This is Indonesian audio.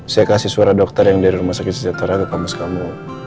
saya kasih suara dokter yang dari rumah sakit sejahtera ke kampus kamu